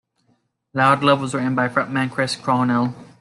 "Loud Love" was written by frontman Chris Cornell.